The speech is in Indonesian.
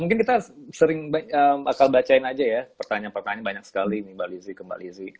mungkin kita sering bakal bacain aja ya pertanyaan pertanyaan banyak sekali mbak lizzie ke mbak lizzie